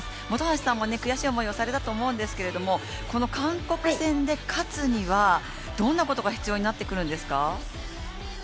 本橋さんも悔しい思いをされたと思うんですけれどもこの韓国戦で勝つには、どんなことが必要になってきますか？